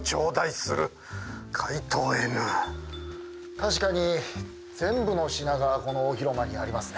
確かに全部の品がこの大広間にありますね。